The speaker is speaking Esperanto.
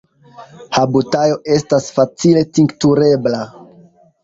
Habutajo estas facile tinkturebla.